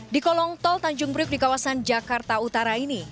di kolong tol tanjung priuk di kawasan jakarta utara ini